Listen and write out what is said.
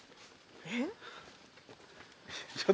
えっ？